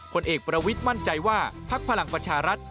ผลเอกประวิทย์มั่นใจว่าพักพลังประชารัฐ